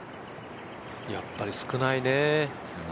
やっぱり少ないね。